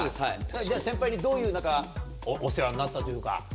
じゃあ先輩に、どういうお世話になったというか。